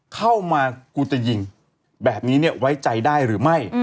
เข้ามากูจะยิงแบบนี้เนี่ยไว้ใจได้หรือไม่